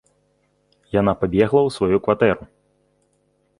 Яна пабегла ў сваю кватэру.